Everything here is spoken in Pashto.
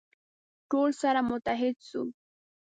ټول سره متحد سو.